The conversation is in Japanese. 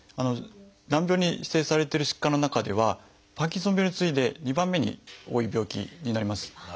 難病に指定されている疾患の中ではパーキンソン病に次いで２番目に多い病気になります。